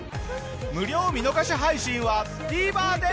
無料見逃し配信はＴＶｅｒで。